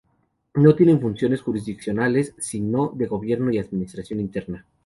No tiene funciones jurisdiccionales, sino de gobierno y administración interna.